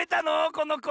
このこ。